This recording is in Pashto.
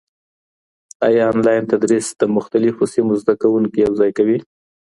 ايا انلاين تدريس د مختلفو سيمو زده کوونکي يوځای کوي؟